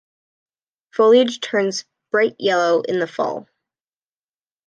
Foliage turns bright yellow in the Fall.